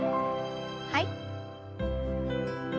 はい。